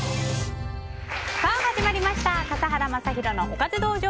始まりました笠原将弘のおかず道場。